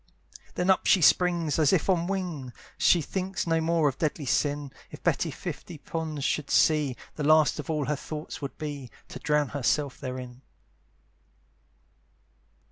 Then up she springs as if on wings; She thinks no more of deadly sin; If Betty fifty ponds should see, The last of all her thoughts would be, To drown herself therein.